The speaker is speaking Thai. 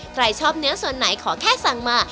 ใครชอบเนื้อส่วนไหนขอแค่สั่งมา